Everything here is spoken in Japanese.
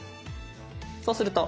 そうすると。